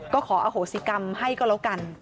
ก็ขออโหสิกรรมให้ก็แล้วกัน